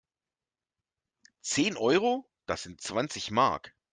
Zehn Euro? Das sind zwanzig Mark!